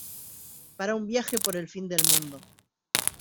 para un viaje por el fin del mundo